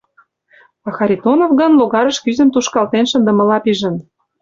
А Харитонов гын, логарыш кӱзым тушкалтен шындымыла пижын.